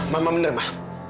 mama bener ma